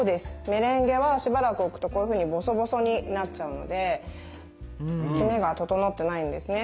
メレンゲはしばらく置くとこういうふうにボソボソになっちゃうのできめが整ってないんですね。